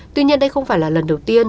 tuy nhiên đây không phải là lần đầu tiên